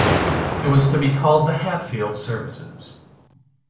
It was to be called the Hatfield services.